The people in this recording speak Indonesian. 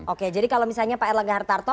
oke jadi kalau misalnya pak erlangga hartarto